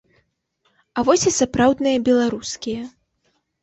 А вось і сапраўдныя беларускія.